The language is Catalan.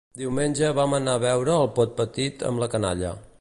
Diumenge vam anar a ver el Pot Petit amb la canalla